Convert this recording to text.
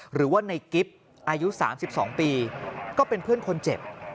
หรือว่าในกิฟต์อายุ๓๒ปีก็เป็นเพื่อนคนเจ็บ